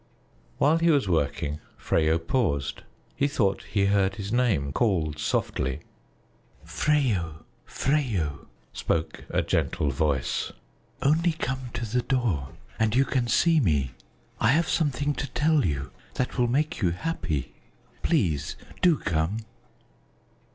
While he was working, Freyo paused; he thought he heard his name called softly. "Freyo, Freyo!" spoke a gentle voice. "Only come to the door, and you can see me. I have something to tell you that will make you happy. Please do come!"